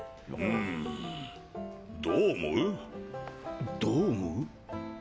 んどう思う？どう思う？